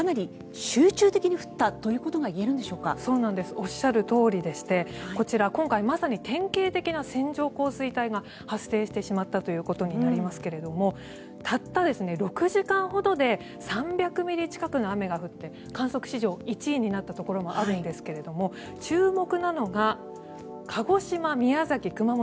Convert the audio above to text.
おっしゃるとおりでしてこちら、今回まさに典型的な線状降水帯が発生してしまったということになりますがたった６時間ほどで３００ミリ近くの雨が降って観測史上１位になったところもあるんですが注目なのが鹿児島、宮崎、熊本